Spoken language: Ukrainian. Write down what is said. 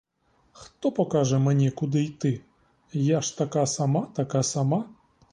Хто покаже мені, куди йти, я ж така сама, така сама!